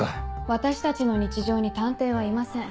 私たちの日常に探偵はいません。